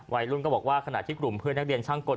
วัยรุ่นก็บอกว่าขณะที่กลุ่มเพื่อนนักเรียนช่างกล